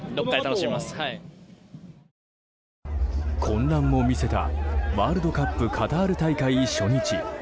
混乱も見せたワールドカップカタール大会初日。